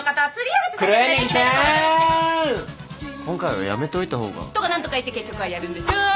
今回はやめといた方が。とかなんとか言って結局はやるんでしょ！